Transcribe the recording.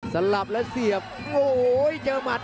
สลับแล้วเสียบโอ๋เจอมัส